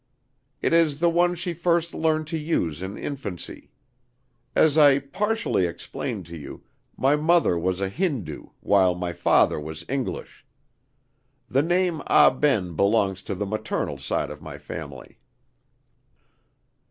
"It is the one she first learned to use in infancy. As I partially explained to you, my mother was a Hindoo, while my father was English. The name Ah Ben belongs to the maternal side of my family."